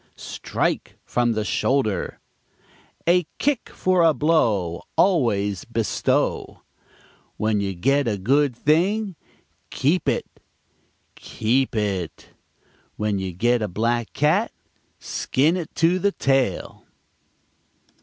"Strike from the shoulder." "A kick for a blow, always bestow." "When you get a good thing, keep it keep it." "When you get a black cat, skin it to the tail."